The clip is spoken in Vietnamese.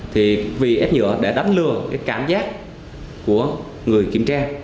thì vì ép nhựa để đánh lừa cái cảm giác của người kiểm tra